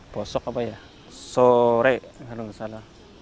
besok apa ya sore kalau nggak salah